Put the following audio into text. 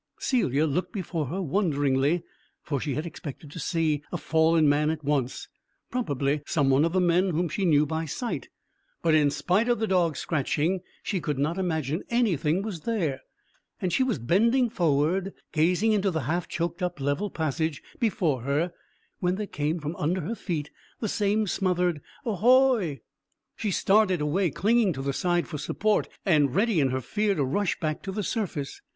Celia looked before her wonderingly, for she had expected to see a fallen man at once, probably some one of the men whom she knew by sight; but, in spite of the dog's scratching, she could not imagine anything was there, and she was bending forward, gazing into the half choked up level passage before her, when there came from under her feet the same smothered, "Ahoy!" She started away, clinging to the side for support, and ready in her fear to rush back to the surface.